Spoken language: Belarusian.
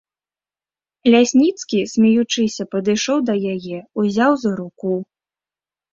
Лясніцкі, смеючыся, падышоў да яе, узяў за руку.